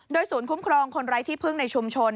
ศูนย์คุ้มครองคนไร้ที่พึ่งในชุมชน